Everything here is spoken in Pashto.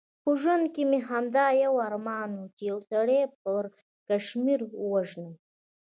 په ژوند کې مې همدا یو ارمان و، چې یو سر پړکمشر ووژنم.